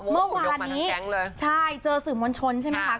เมื่อวานนี้ใช่เจอสื่อมวลชนใช่ไหมคะ